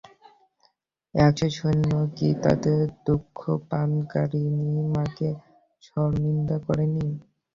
একশ সৈন্য কি তাদের দুগ্ধপানকারিণী মাকে শরমিন্দা করেনি?